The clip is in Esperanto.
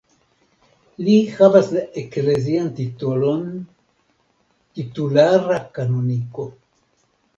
Li havas la eklezian titolon titulara kanoniko.